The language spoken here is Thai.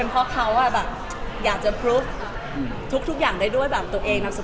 เขาซีเรียสไหมเพราะข่าวออกไปอะ